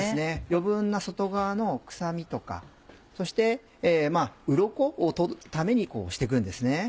余分な外側の臭みとかそしてうろこを取るためにこうして行くんですね。